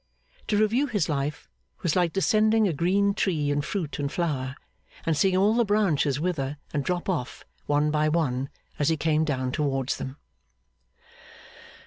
To review his life was like descending a green tree in fruit and flower, and seeing all the branches wither and drop off, one by one, as he came down towards them.